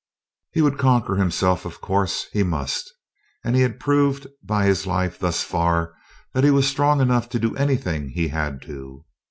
He would conquer himself of course, he must; and he had proved by his life thus far that he was strong enough to do anything he had to.